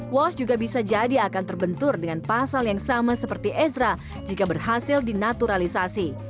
wash juga bisa jadi akan terbentur dengan pasal yang sama seperti ezra jika berhasil dinaturalisasi